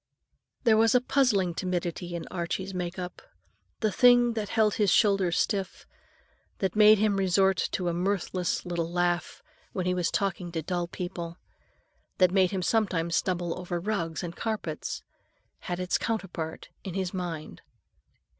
There was a puzzling timidity in Archie's make up. The thing that held his shoulders stiff, that made him resort to a mirthless little laugh when he was talking to dull people, that made him sometimes stumble over rugs and carpets, had its counterpart in his mind.